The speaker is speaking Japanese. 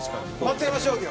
松山商業！